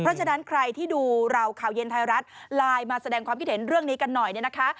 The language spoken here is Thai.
เพราะฉะนั้นใครที่ดูเราข่าวเย็นไทยรัฐไลน์มาแสดงความคิดเห็นเรื่องนี้กันหน่อยเนี่ยนะคะ